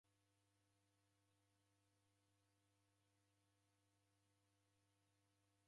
Naanika viro vapo irumenyi eri viome nicha.